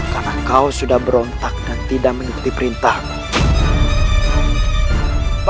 karena kau sudah berontak dan tidak mengikuti perintahmu